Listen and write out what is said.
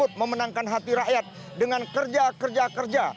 kami tetap ingin memenangkan hati rakyat dengan kerja kerja kerja